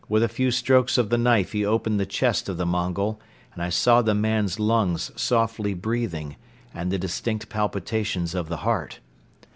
With a few strokes of the knife he opened the chest of the Mongol and I saw the man's lungs softly breathing and the distinct palpitations of the heart.